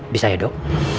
bisa ya dok